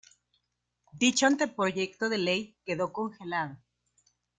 Dicho anteproyecto de Ley quedó congelado.